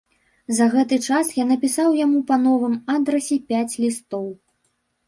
За гэты час я напісаў яму па новым адрасе пяць лістоў.